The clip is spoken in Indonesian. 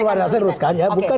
saya meneruskan dulu